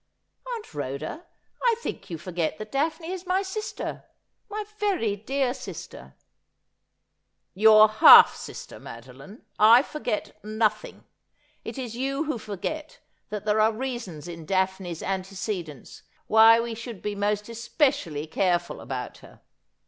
' Aunt Rhoda, I think you forget that Daphne is my sister — my very dear sister.' 'Your half sister, Madoline. I forget nothing. It is you who forget that there are reasons in Daphne's antecedents why we should be most especially careful about her.'